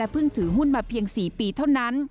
เพิ่งถือหุ้นมาเพียง๔ปีเท่านั้น